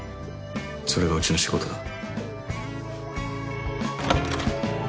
それがうちの仕事だ。